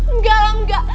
enggak alam enggak